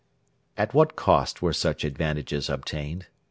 At what cost were such advantages obtained?